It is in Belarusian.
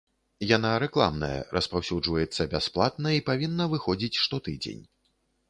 Яна рэкламная, распаўсюджваецца бясплатна і павінна выходзіць штотыдзень.